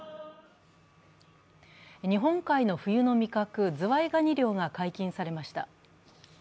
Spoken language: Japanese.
日本海の冬の味覚、ズワイガニ漁が解禁されました。